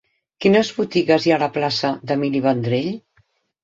Quines botigues hi ha a la plaça d'Emili Vendrell?